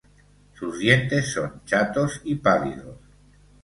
Sus dientes son chatos y pálidos.